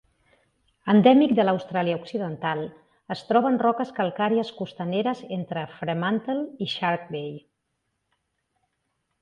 Endèmic de l'Austràlia Occidental, es troba en roques calcàries costaneres entre Fremantle i Shark Bay.